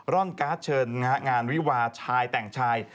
่อนการ์ดเชิญงานวิวาชายแต่งชาย